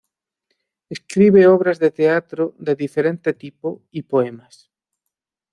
Escribe obras de teatro de diferente tipo y poemas.